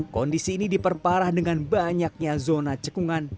kondisi ini diperparah dengan banyaknya zona cekungan